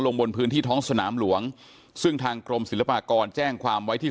บนพื้นที่ท้องสนามหลวงซึ่งทางกรมศิลปากรแจ้งความไว้ที่